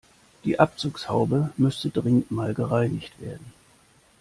Die Abzugshaube müsste dringend mal gereinigt werden.